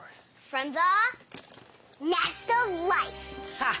ハッ！